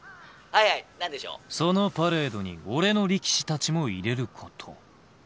そのパレードに俺の力士たちも入れること。